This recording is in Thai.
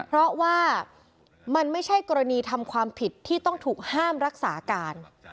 เพราะว่ามันไม่ใช่กรณีทำความผิดที่ต้องถูกห้ามรักษาการ